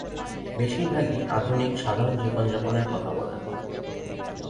বেশিরভাগই আধুনিক সাধারণ জীবনযাপনের কথা বলেন।